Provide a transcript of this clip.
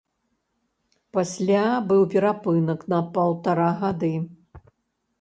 Пасля быў перапынак на паўтара гады.